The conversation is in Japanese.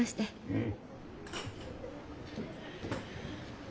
うん。